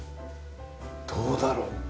どうだろう。